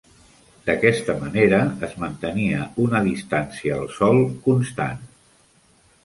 D'aquesta manera, es mantenia una distància al sòl constant.